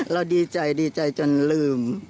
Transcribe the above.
เราดีใจจนลืม